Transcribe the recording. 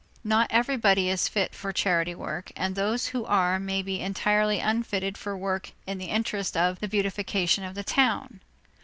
Not everybody is fit for charity work, and those who are may be entirely unfitted for work in the interest of the beautification of the town.